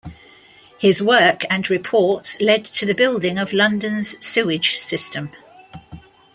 His work and reports led to the building of London's sewage system.